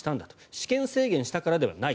私権制限したからではない。